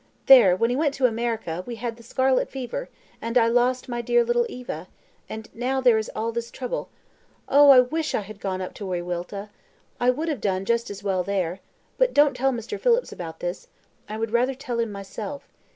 There, when he went to America, we had the scarlet fever, and I lost my dear little Eva, and now there is all this trouble. Oh! I wish I had gone up to Wiriwilta I would have done just as well there. But don't tell Mr. Phillips about this; I would rather tell him myself.